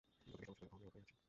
গত বিশটা বছর ধরে ও মেয়র হয়ে আছে।